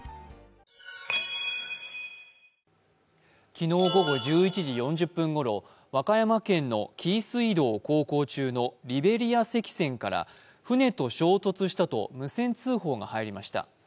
昨日午後１１時４０分ごろ、和歌山県の紀伊水道を航行中にリベリア船籍から船と衝突したと無線通報が入りました。